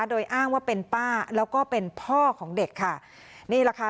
โดยอ้างว่าเป็นป้าแล้วก็เป็นพ่อของเด็กค่ะนี่แหละค่ะ